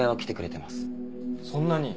そんなに？